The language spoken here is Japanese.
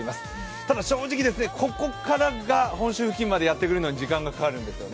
ただ正直ここからが本州付近までやってくるまで時間がかかるんですよね。